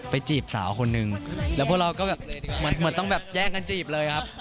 จีบสาวคนนึงแล้วพวกเราก็แบบเหมือนต้องแบบแย่งกันจีบเลยครับ